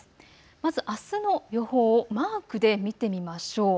まずあすの予報をマークで見てみましょう。